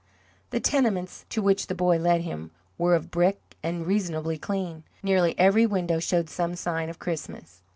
The tenements to which the boy led him were of brick, and reasonably clean. Nearly every window showed some sign of Christmas.